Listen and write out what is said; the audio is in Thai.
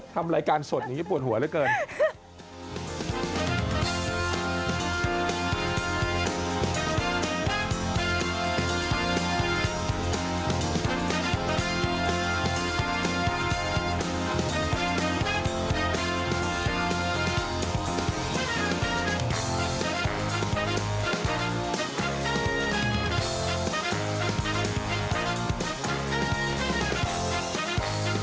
ทำรายการสดเนี้ยพูดหัวละกัน